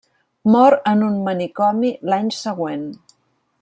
Mor en un manicomi l'any següent.